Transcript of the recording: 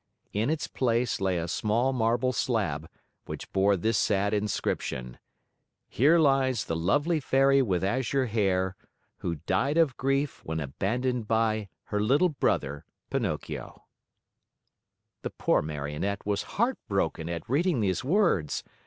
In its place lay a small marble slab, which bore this sad inscription: HERE LIES THE LOVELY FAIRY WITH AZURE HAIR WHO DIED OF GRIEF WHEN ABANDONED BY HER LITTLE BROTHER PINOCCHIO The poor Marionette was heartbroken at reading these words.